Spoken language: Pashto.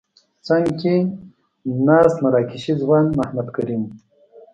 څنګ کې ناست مراکشي ځوان محمد کریم وو.